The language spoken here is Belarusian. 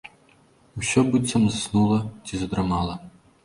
Усё быццам заснула ці задрамала.